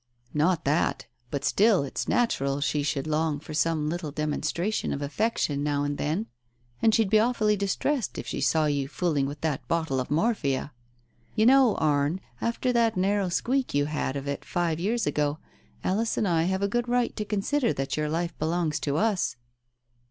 "Not that, but still it's natural she should long for some little demonstration of affection now and then ... and she'd be awfully distressed if she saw you fooling with that bottle of morphia ! You know, Arne, after that narrow squeak you had of it five years ago, Alice and I have a good right to consider that your life belongs to us